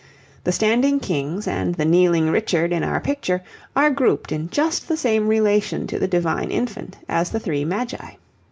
The standing Kings and the kneeling Richard in our picture, are grouped in just the same relation to the divine Infant as the three Magi.